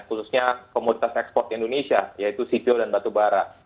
khususnya komoditas ekspor di indonesia yaitu sipil dan batubara